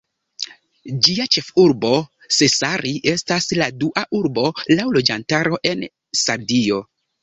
Ĝia ĉefurbo, Sassari, estas la dua urbo laŭ loĝantaro en Sardio.